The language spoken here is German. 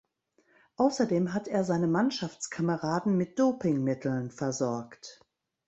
Außerdem hat er seine Mannschaftskameraden mit Dopingmitteln versorgt.